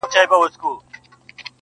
• د لېوه داړو ته ځان مي وو سپارلی -